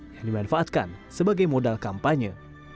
yang dimanfaatkan sebagai modal kampanye